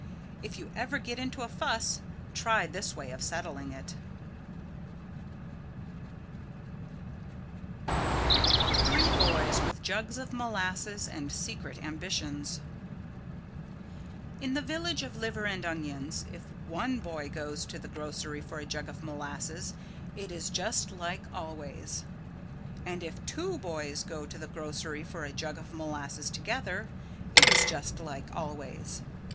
If you ever get into a fuss try this way of settling it. Three Boys With Jugs of Molasses and Secret Ambitions In the Village of Liver and Onions, if one boy goes to the grocery for a jug of molasses it is just like always. And if two boys go to the grocery for a jug of molasses together it is just like always.